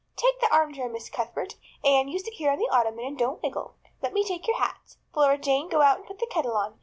Take the armchair, Miss Cuthbert. Anne, you sit here on the ottoman and don't wiggle. Let me take your hats. Flora Jane, go out and put the kettle on.